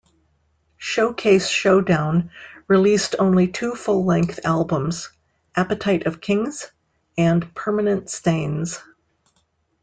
Showcase Showdown released only two full-length albums, "Appetite of Kings" and "Permanent Stains".